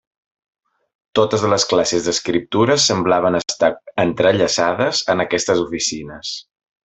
Totes les classes d'escriptures semblaven estar entrellaçades en aquestes oficines.